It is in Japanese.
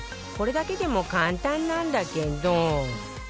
これだけでも簡単なんだけど